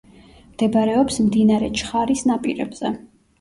მდებარეობს მდინარე ჩხარის ნაპირებზე.